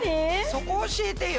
そこ教えてよ。